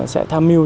sẽ tham mưu